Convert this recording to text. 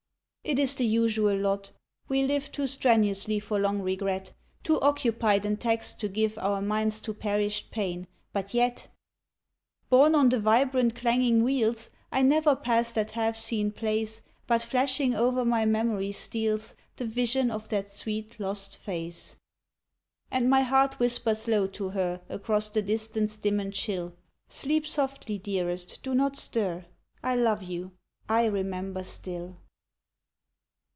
It is the usual lot ! We live Too strenuously for long regret, Too occupied and taxed to give Our minds to perished pain ; but yet, 70 UNFORGOTTEN Borne on the vibrant, clanging wheels, I never pass that half seen place, But flashing o'er my memory steals The vision of that sweet, lost face ; And my heart whispers low to her, Across the distance dim and chill :" Sleep softly, dearest, do not stir, I love you I remember still."